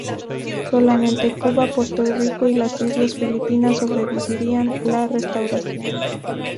Solamente Cuba, Puerto Rico y las Islas Filipinas sobrevivirían la Restauración.